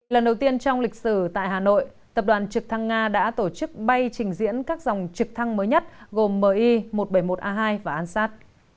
lần đầu tiên trong lịch sử tại hà nội tập đoàn trực thăng nga đã tổ chức bay trình diễn các dòng trực thăng mới nhất gồm mi một trăm bảy mươi một a hai và an sát